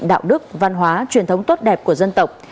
đạo đức văn hóa truyền thống tốt đẹp của dân tộc